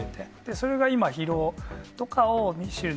それが今、疲労とかをしんぶ